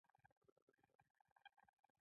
د تریخي د تیږې لپاره د زیتون تېل او لیمو وکاروئ